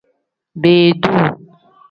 Beeduu.